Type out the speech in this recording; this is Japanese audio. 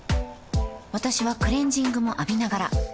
私はクレジングも浴びながら